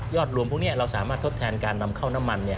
รวมพวกนี้เราสามารถทดแทนการนำเข้าน้ำมัน